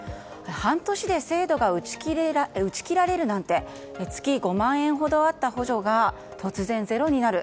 半年で制度が打ち切られるなんて月５万円ほどあった補助が突然、ゼロになる。